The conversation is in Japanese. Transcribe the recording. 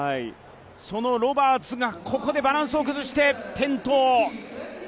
そのロバーツがここでバランスを崩して転倒。